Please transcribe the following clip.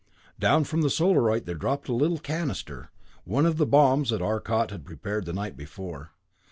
Down from the Solarite there dropped a little canister, one of the bombs that Arcot had prepared the night before.